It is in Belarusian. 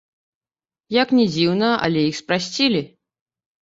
Як ні дзіўна, але іх спрасцілі.